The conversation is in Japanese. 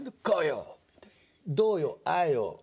「どうよああよ